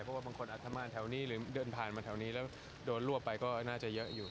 เพราะว่าบางคนอัตมาแถวนี้หรือเดินผ่านมาแถวนี้แล้วโดนรวบไปก็น่าจะเยอะอยู่